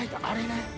あれね。